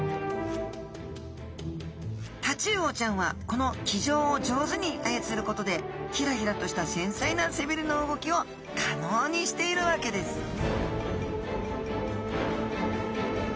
タチウオちゃんはこの鰭条を上手にあやつることでヒラヒラとしたせんさいな背びれの動きを可能にしているわけですさあ